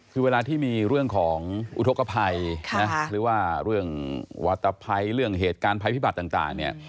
คือเวลาที่มีเรื่องของอุทธกภัยหรือว่าเรื่องวาตภัยเรื่องเหตุการณ์ภัยพิบัติต่างเนี่ย